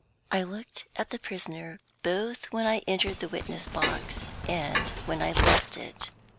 I looked at the prisoner both when I entered the witness box and when I left it.